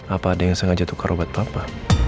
apa ada yang sengaja tukar obat papa